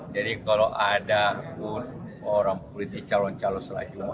jadi kalau ada pun orang politik calon calon salah jumlah